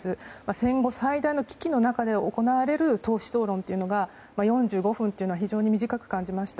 戦後最大の危機の中で行われる党首討論というのが４５分というのは非常に短く感じました。